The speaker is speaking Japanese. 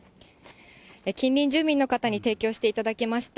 近隣住民の方に提供していただきました。